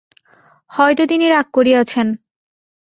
হয় তো তিনি রাগ করিয়াছেন!